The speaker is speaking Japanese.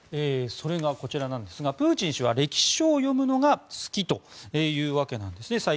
それがこちらなんですがプーチン氏は歴史書を読むのが好きというわけなんですね。